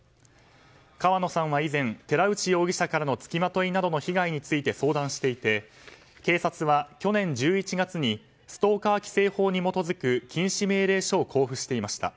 川野さんは以前寺内容疑者からの付きまといの被害について相談していて警察は去年１１月にストーカー規制法に基づく禁止命令書を交付していました。